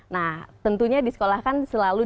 nah tentunya di sekolah kan selalu